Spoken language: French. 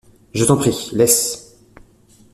Je t’en prie, laisse.